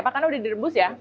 pak karena udah direbus ya